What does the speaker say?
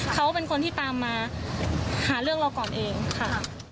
เขาเป็นคนที่ตามมาหาเรื่องเราก่อนเองค่ะ